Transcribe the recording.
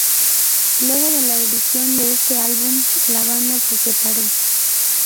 Luego de la edición de este álbum, la banda se separó.